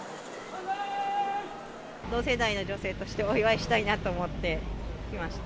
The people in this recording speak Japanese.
同世代の女性として、お祝いしたいなと思って来ました。